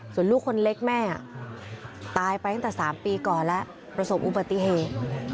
ส่วนลูกคนเล็กแม่ตายไปตั้งแต่๓ปีก่อนแล้วประสบอุบัติเหตุ